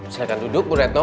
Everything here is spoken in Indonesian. silakan duduk bu retno